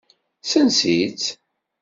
Sens-itt.